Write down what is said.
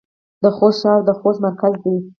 د خوست ښار د خوست مرکز دی